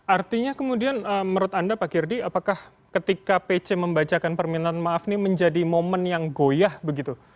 artinya kemudian menurut anda pak girdi apakah ketika pc membacakan permintaan maaf ini menjadi momen yang goyah begitu